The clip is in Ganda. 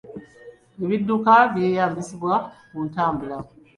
Ebidduka byeyambisibwa ku ntambula.